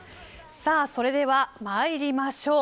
それでは参りましょう。